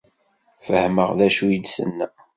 Fehmeɣ d acu i d-tenna.